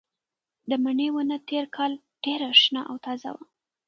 د مڼې ونه تېر کال ډېره شنه او تازه وه.